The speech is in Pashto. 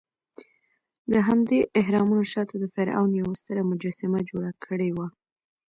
دهمدې اهرامونو شاته د فرعون یوه ستره مجسمه جوړه کړې وه.